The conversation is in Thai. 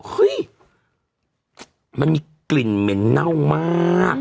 เฮ้ยมันมีกลิ่นเหม็นเน่ามาก